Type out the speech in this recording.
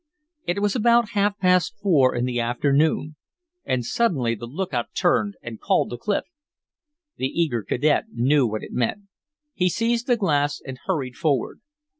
It was about half past four in the afternoon, and suddenly the lookout turned and called to Clif. The eager cadet knew what it meant. He seized the glass and hurried forward.